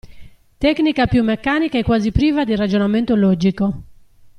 Tecnica più meccanica e quasi priva di ragionamento logico.